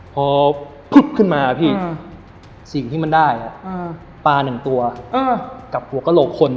พอพึบขึ้นมาพี่สิ่งที่มันได้ปลาหนึ่งตัวกับหัวกระโหลกคน